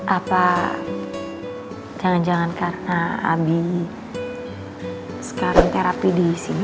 apa jangan jangan karena ambi sekarang terapi di sini